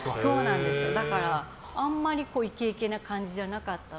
だから、あんまりイケイケな感じじゃなかったので。